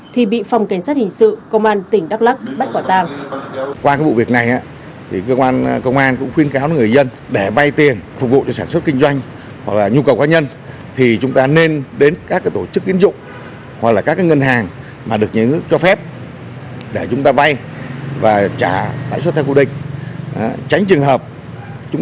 thì bị phòng cảnh sát hình sự công an tỉnh đắk lắc bắt quả tàng